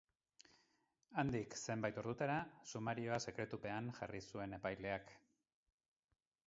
Handik zenbait ordutara, sumarioa sekretupean jarri zuen epaileak.